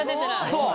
そう。